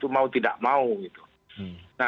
mau tidak mau gitu